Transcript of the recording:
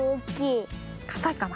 かたいかな？